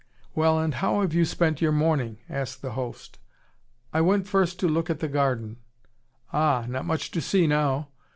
"Well, and how have you spent your morning?" asked the host. "I went first to look at the garden." "Ah, not much to see now.